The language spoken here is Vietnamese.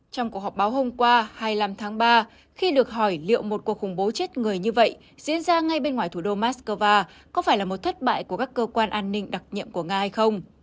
trong cuộc họp báo hôm qua khi được hỏi liệu một cuộc khủng bố chết người như vậy diễn ra ngay bên ngoài thủ đô moscow có phải là một thất bại của các cơ quan an ninh đặc nhiệm của nga hay không